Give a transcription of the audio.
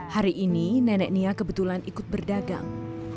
hari ini nenek nia kebetulan ikut berdagang